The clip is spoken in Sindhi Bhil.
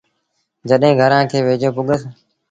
جڏهيݩ گھرآݩ کي ويجھو پُڳس۔